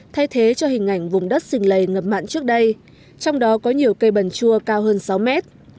thay thế cho hình ảnh vùng đất xình lầy ngập mặn trước đây trong đó có nhiều cây bần chua cao hơn sáu mét